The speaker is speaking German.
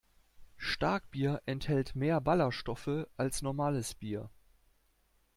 Starkbier enthält mehr Ballerstoffe als normales Bier.